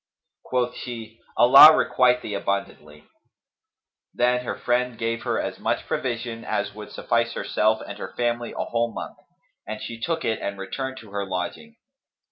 Quoth she, "Allah requite thee abundantly!"[FN#265] Then her friend gave her as much provision as would suffice herself and her family a whole month, and she took it and returned to her lodging.